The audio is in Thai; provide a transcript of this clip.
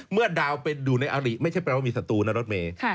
เมื่อดาวเป็นอยู่ในอาริไม่ใช่แปลว่ามีศัตรูนะรถเมย์